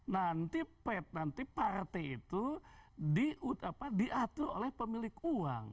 nanti pet nanti partai itu diatur oleh pemilik uang